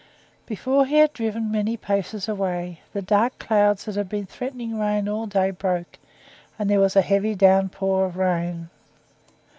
Before he had driven many paces away, the dark clouds that had been threatening rain all day broke, and there was a heavy downpour of rain.